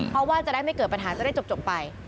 เพราะว่าจะได้ไม่เกิดปัญหาจะได้จบไป